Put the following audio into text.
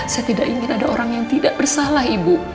saya tidak ingin ada orang yang tidak bersalah ibu